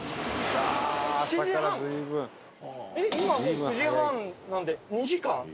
今もう９時半なんで２時間？